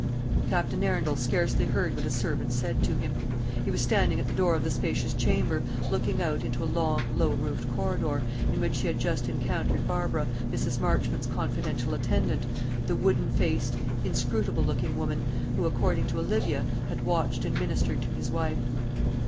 Captain Arundel scarcely heard what his servant said to him. He was standing at the door of the spacious chamber, looking out into a long low roofed corridor, in which he had just encountered Barbara, Mrs. Marchmont's confidential attendant, the wooden faced, inscrutable looking woman, who, according to Olivia, had watched and ministered to his wife.